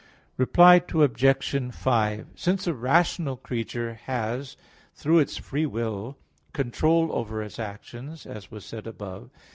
Reply Obj. 5: Since a rational creature has, through its free will, control over its actions, as was said above (Q.